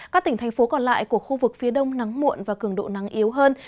các tỉnh thành phố còn lại của khu vực phía đông nắng muộn và cường độ nắng yếu hơn